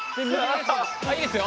ああいいですよ。